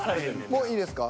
もういいですか？